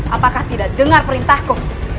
apakah tidak dengar perintahku